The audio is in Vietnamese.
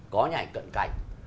có những ảnh cận cảnh